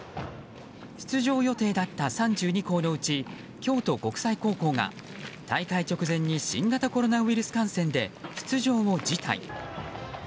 出場予定だった３２校のうち京都国際高校が大会直前に新型コロナウイルス感染で出場を辞退。